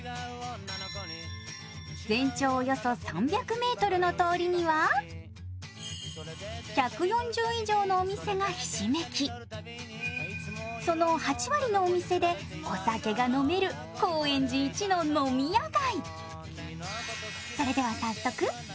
全長およそ３００ｍの通りには、１４０以上のお店がひしめき、その８割のお店でお酒が飲める高円寺一の飲み屋街。